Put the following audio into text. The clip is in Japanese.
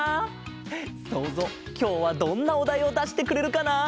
そうぞうきょうはどんなおだいをだしてくれるかな？